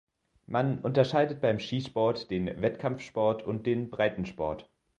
Man unterscheidet beim Skisport den Wettkampfsport und den Breitensport.